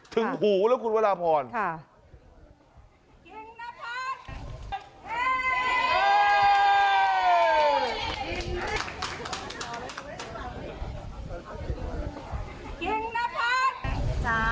ถึงหูแล้วคุณวดาพรณ์ค่ะอ่า